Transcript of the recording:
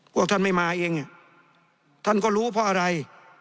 พวกท่านไม่มาเองท่านก็รู้เพราะอะไร